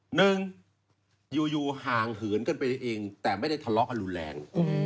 หนึ่งอยู่ห่างเหินกันไปเองแต่ไม่ได้ทะเลาะกันรุนแรง